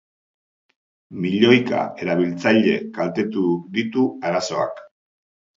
Milioika erabiltzaile kaltetu ditu arazoak.